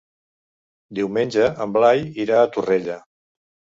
Diumenge en Blai irà a Torrella.